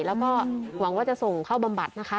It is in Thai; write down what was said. แล้วก็หวังว่าจะส่งเข้าบำบัดนะคะ